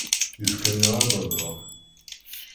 Yefka-yaɣ abadaṛ.